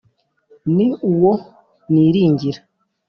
ni uwo niringira